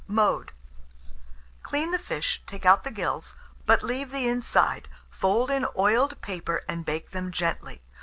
Mode. Clean the fish, take out the gills, but leave the inside, fold in oiled paper, and bake them gently.